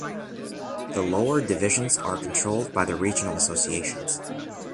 The lower divisions are controlled by the regional associations.